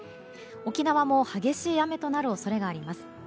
沖縄も激しい雨となる恐れがあります。